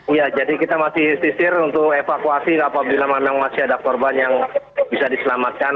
iya jadi kita masih sisir untuk evakuasi apabila memang masih ada korban yang bisa diselamatkan